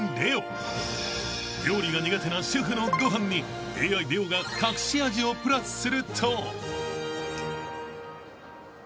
［料理が苦手な主婦のご飯にＡＩレオが隠し味をプラスすると］